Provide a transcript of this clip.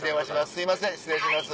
すいません失礼します。